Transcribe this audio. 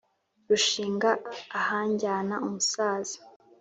Rushinga ahajyana umusaza,